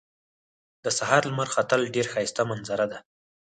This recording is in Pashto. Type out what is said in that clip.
د سهار لمر ختل ډېر ښایسته منظره ده